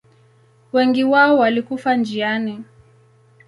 Wengi wao walikufa njiani.